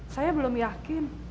saya belum yakin